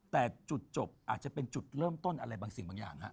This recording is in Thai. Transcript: แต่จุดจบอาจจะเป็นจุดเริ่มต้นอะไรบางสิ่งบางอย่างฮะ